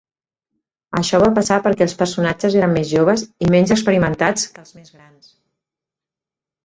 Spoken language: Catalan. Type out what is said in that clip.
Això va passar perquè els personatges eren més joves i menys experimentats que els més grans.